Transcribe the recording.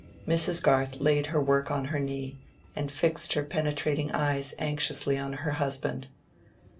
Mrs. Garth laid her work on her knee, and fixed her penetrating eyes anxiously on her husband.